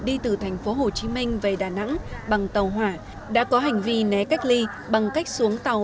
đi từ thành phố hồ chí minh về đà nẵng bằng tàu hỏa đã có hành vi né cách ly bằng cách xuống tàu